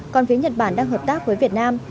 còn phía nhật bản đang hợp tác với việt nam